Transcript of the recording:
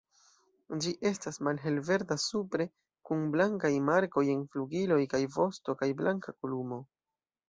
Ĝi estas malhelverda supre, kun blankaj markoj en flugiloj kaj vosto kaj blanka kolumo.